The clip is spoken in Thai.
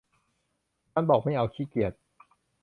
มันบอกไม่เอา ขี้เกียจ